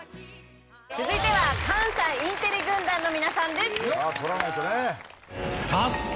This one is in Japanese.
続いては関西インテリ軍団の皆さんです。